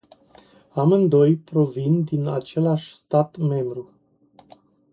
Amândoi provin din același stat membru.